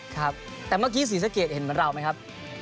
ครับแต่เมื่อกี้ศรีสะเกดเห็นเหมือนเราไหมครับ